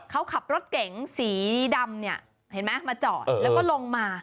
เขาขับรถเก๋งสีดำเนี่ยเห็นไหมมาจอดแล้วก็ลงมา